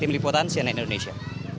tim lipotan siena indonesia